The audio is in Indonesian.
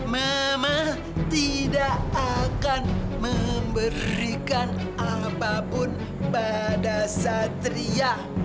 mama tidak akan memberikan apapun pada satria